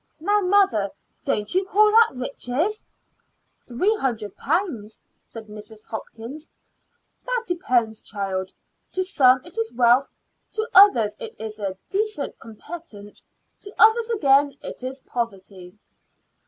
Now, mother, don't you call that riches?" "Three hundred pounds!" said Mrs. Hopkins. "That depends, child. To some it is wealth; to others it is a decent competence; to others, again, it is poverty."